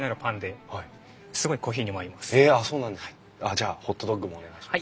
じゃあホットドッグもお願いします。